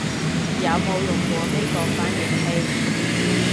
有冇用過呢個翻譯器